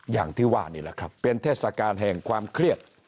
อย่างที่ว่านี่แหละครับเป็นเทศกาลแห่งความเครียด